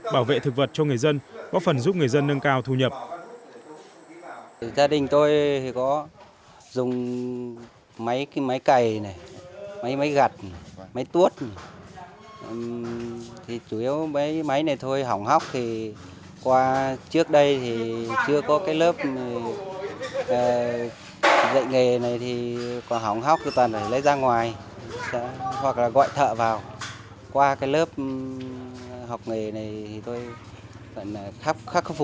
bảo vệ thực vật cho người dân bóp phần giúp người dân nâng cao thu nhập